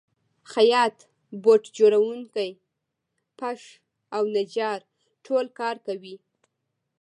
خیاط، بوټ جوړونکی، پښ او نجار ټول کار کوي